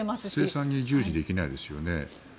生産に従事できないですよね。